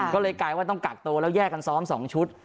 ก็เลยกลายว่าต้องกักตัวแล้วแยกกันซ้อม๒ชุด